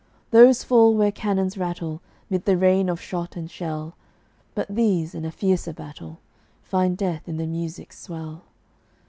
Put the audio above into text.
Those fall where cannons rattle, 'Mid the rain of shot and shell; But these, in a fiercer battle, Find death in the music's swell.